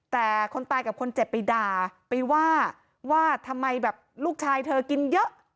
แต่คนตายกับคนเจ็บไปด่าไปว่าว่าทำไมแบบลูกชายเธอกินเยอะ